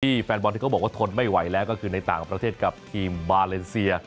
แฟนบอลที่เขาบอกว่าทนไม่ไหวแล้วก็คือในต่างประเทศกับทีมบาเลนเซีย